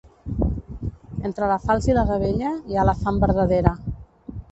Entre la falç i la gavella hi ha la fam verdadera.